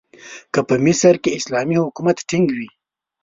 که په مصر کې اسلامي حکومت ټینګ وي.